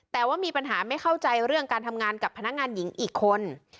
แต่ว่ามีปัญหาไม่เข้าใจเรื่องการทำงานกับพนักงานหญิงอีกคน